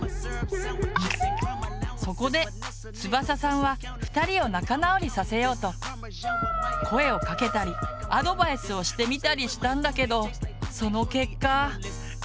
そこでつばささんは２人を仲直りさせようと声をかけたりアドバイスをしてみたりしたんだけどその結果。